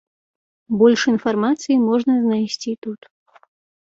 Больш інфармацыі можна знайсці тут.